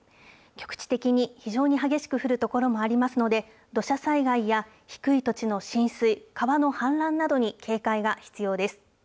局地的に非常に激しく降る所もありますので、土砂災害や低い土地の浸水、川の氾濫などに警戒が必要です。